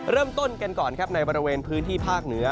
เริ่มต้นกันก่อนครับในบริเวณพื้นที่ภาคเหนือ